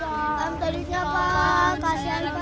sampai jumpa di video selanjutnya pak